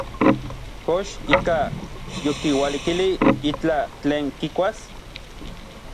¿Kox ikaj yokiualikilij itlaj tlen kikuas?